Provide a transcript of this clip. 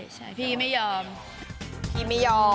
อํ่เน้นใช่พี่ไม่ยอมพี่ไม่ยอม